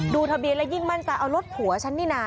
ทะเบียนแล้วยิ่งมั่นใจเอารถผัวฉันนี่นะ